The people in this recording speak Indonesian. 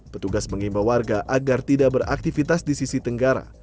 petugas mengimbau warga agar tidak beraktivitas di sisi tenggara